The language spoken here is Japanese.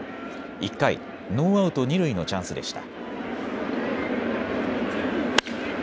１回、ノーアウト二塁のチャンスでした。